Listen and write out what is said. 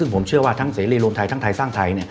ซึ่งผมเชื่อว่าทั้งเสรีรวมไทยทั้งไทยสร้างไทย